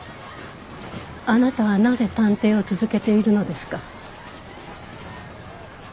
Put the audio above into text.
あなたはなぜ探偵を続けているのですか？